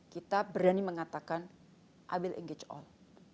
kita berani mengatakan i will engage all